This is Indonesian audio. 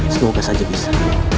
semoga saja bisa